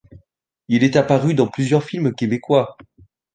Il est apparu dans plusieurs films québécois.